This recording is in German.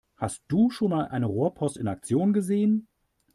Hast du schon mal eine Rohrpost in Aktion gesehen?